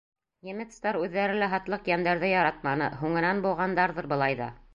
Немецтар үҙҙәре лә һатлыҡ йәндәрҙе яратманы, һуңынан быуғандарҙыр былай ҙа.